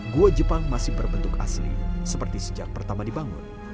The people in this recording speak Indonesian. gua jepang masih berbentuk asli seperti sejak pertama dibangun